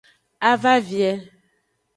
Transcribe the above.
A va vie.